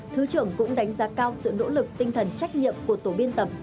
thứ trưởng cũng đánh giá cao sự nỗ lực tinh thần trách nhiệm của tổ biên tập